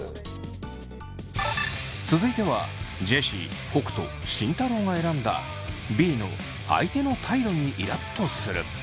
続いてはジェシー北斗慎太郎が選んだＢの「相手の態度にイラっとする」。